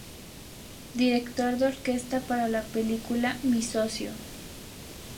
Director de orquesta para la película Mi Socio.